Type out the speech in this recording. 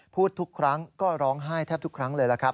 ทุกครั้งก็ร้องไห้แทบทุกครั้งเลยล่ะครับ